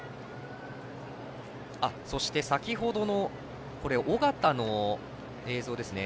そして、先ほどの緒方の映像ですね。